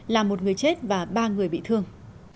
là một người chết và ba người bị thương